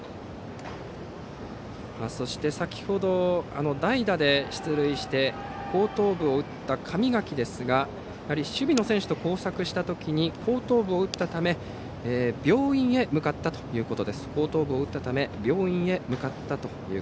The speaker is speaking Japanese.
そして先ほど、代打で出塁して後頭部を打った神垣ですが守備の選手と交錯した時に後頭部を打ったため病院へ向かったということです。